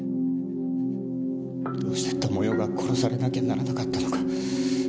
どうして智世が殺されなきゃならなかったのか。